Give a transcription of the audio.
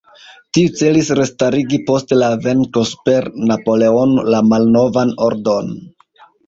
Tiu celis restarigi post la venko super Napoleono la malnovan ordon.